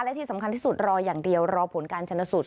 และที่สำคัญที่สุดรออย่างเดียวรอผลการชนสูตร